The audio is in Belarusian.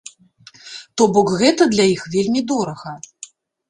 То бок гэта для іх вельмі дорага.